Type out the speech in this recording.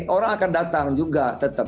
orang akan datang juga tetap